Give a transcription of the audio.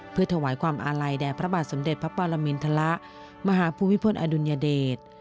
เพื่อถวายความอาลัยแด่พระบาทสมเด็จพระปรมินทรมาหาภูมิพลอดุลยเดช